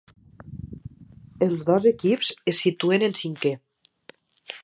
Els dos equips es situen en cinquè.